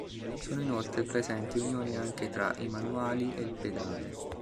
Sono inoltre presenti unioni anche tra i manuali e il pedale.